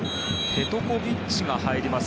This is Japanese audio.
ペトコビッチが入ります。